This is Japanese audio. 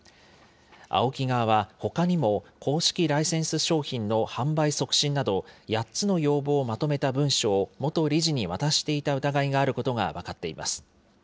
ＡＯＫＩ側はほかにも、公式ライセンス商品の販売促進など、８つの要望をまとめた文書を元理事に渡していた疑いがあることが分かっています。